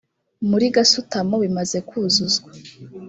muri gasutamo bimaze kuzuzwa